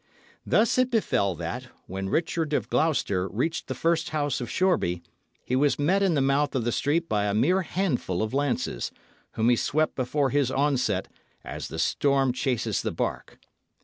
Thus it befell that, when Richard of Gloucester reached the first house of Shoreby, he was met in the mouth of the street by a mere handful of lances, whom he swept before his onset as the storm chases the bark.